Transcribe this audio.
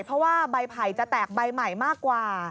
เพราะว่าใบไผ่จะแตกใบใหม่มากกว่า